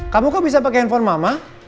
kamu kok bisa pakai handphone mama